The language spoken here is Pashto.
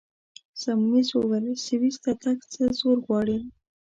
سیمونز وویل: سویس ته تګ څه زور غواړي؟